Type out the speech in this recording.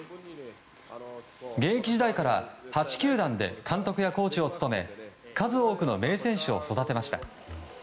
現役時代から８球団で監督やコーチを務め数多くの名選手を育てました。